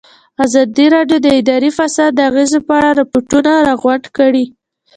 ازادي راډیو د اداري فساد د اغېزو په اړه ریپوټونه راغونډ کړي.